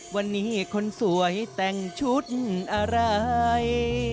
วันนี้คนสวยแต่งชุดอะไร